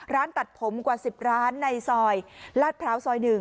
ร้านตัดผมกว่า๑๐ร้านในซอยลาดพร้าวซอย๑